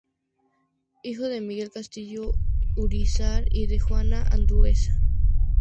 Hijo de Miguel Castillo Urízar y de Juana Andueza.